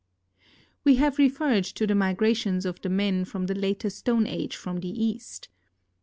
We have referred to the migrations of the men of the later Stone Age from the East.